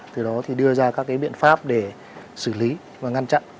từ đó thì đưa ra các biện pháp để xử lý và ngăn chặn